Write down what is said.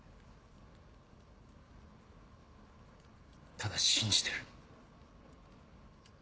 ただ信じてる。